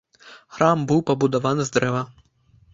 Храм быў пабудаваны з дрэва.